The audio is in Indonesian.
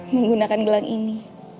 menggunakan gelang ini